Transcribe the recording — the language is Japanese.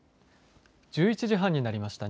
１１時半になりました。